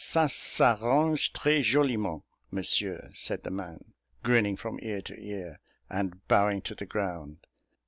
"Ca s'arrange très joliment, Monsieur," said the man, grinning from ear to ear, and bowing to the ground.